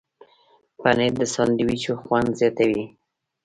پنېر د ساندویچونو خوند زیاتوي.